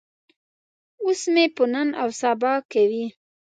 اوس مې په نن او سبا کوي.